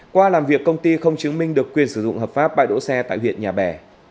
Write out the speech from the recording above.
qua làm việc công ty không chứng minh được quyền sử dụng hợp pháp bãi đỗ xe tại huyện nhà bè